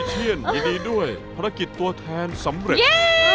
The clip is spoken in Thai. คุณเยี่ยมดีดีด้วยภารกิจตัวแทนสำเร็จ